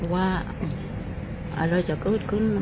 ว่าอะไรจะเกิดขึ้น